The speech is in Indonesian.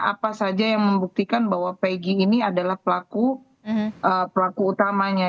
apa saja yang membuktikan bahwa pg ini adalah pelaku utamanya